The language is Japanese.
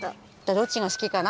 どっちがすきかな？